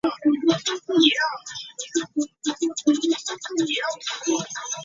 The current members of the court are found at Prothonotaries.